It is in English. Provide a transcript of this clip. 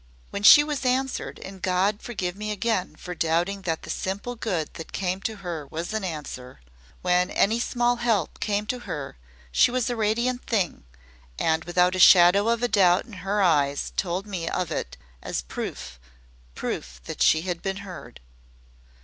When she was answered and God forgive me again for doubting that the simple good that came to her WAS an answer when any small help came to her, she was a radiant thing, and without a shadow of doubt in her eyes told me of it as proof proof that she had been heard.